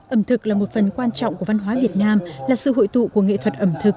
ẩm thực là một phần quan trọng của văn hóa việt nam là sự hội tụ của nghệ thuật ẩm thực